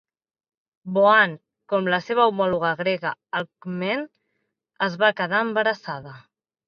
Boann, com la seva homòloga grega Alcmene, es va quedar embarassada.